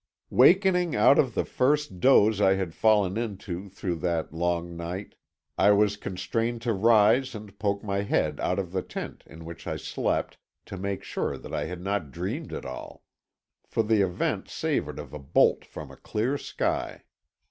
———— Wakening out of the first doze I had fallen into through that long night I was constrained to rise and poke my head out of the tent in which I slept to make sure that I had not dreamed it all. For the event savored of a bolt from a clear sky.